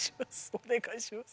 お願いします。